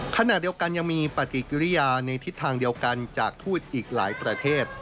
ขณะเดียวกันยังมีปฏิกิริยาในทิศทางเดียวกันจากทูตอีกหลายประเทศ